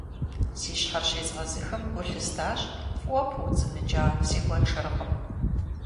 Си щхьэр щезгъэзыхым гу лъыстащ фӀыуэ пыуцӀыныкӀа си гуэншэрыкъым.